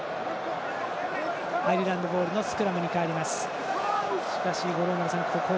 アイルランドボールのスクラムに変わります。